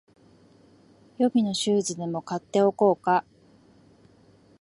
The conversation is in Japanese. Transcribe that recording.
予備のシューズでも買っておこうか